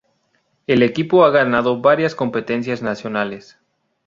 El equipo ha ganado varias competencias nacionales.